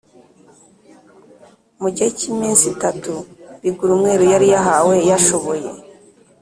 Mu gihe kiminsi itatu Bigirumwera yari yahawe yashoboye